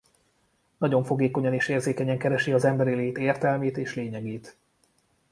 Nagyon fogékonyan és érzékenyen keresi az emberi lét értelmét és lényegét.